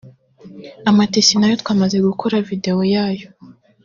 Amatisi nayo twamaze gukora video yayo